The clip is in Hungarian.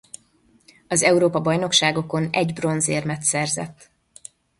Az Európa-bajnokságokon egy bronzérmet szerzett.